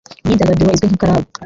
Imyidagaduro izwi nka club